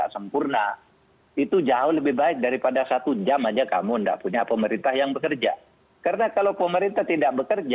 kemudian diberi tata